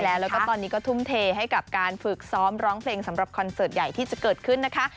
แล้วก็ตอนนี้ก็ทุ่มเทให้กับการฝึกซ้อมร้องเพลงสำหรับคอนเสิร์ตใหญ่ที่จะเกิดขึ้นนะคะ